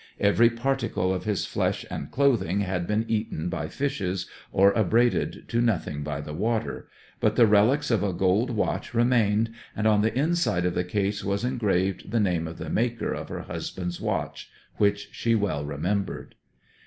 Every particle of his flesh and clothing had been eaten by fishes or abraded to nothing by the water, but the relics of a gold watch remained, and on the inside of the case was engraved the name of the maker of her husband's watch, which she well remembered.